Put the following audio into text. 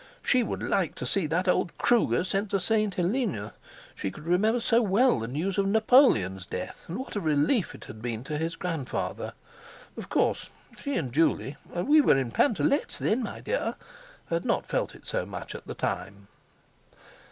She would like to see that old Kruger sent to St. Helena. She could remember so well the news of Napoleon's death, and what a relief it had been to his grandfather. Of course she and Juley—"We were in pantalettes then, my dear"—had not felt it much at the time.